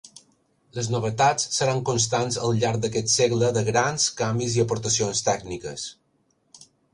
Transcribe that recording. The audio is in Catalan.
Les novetats seran constants al llarg d'aquest segle de grans canvis i aportacions tècniques.